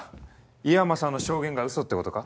井山さんの証言がウソってことか？